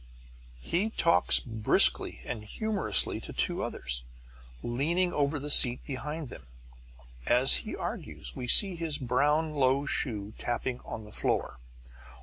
He talks briskly and humorously to two others, leaning over in the seat behind them. As he argues, we see his brown low shoe tapping on the floor.